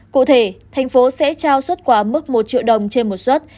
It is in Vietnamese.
cụ thể thành phố sẽ trao xuất quả mức một triệu đồng trên một xuất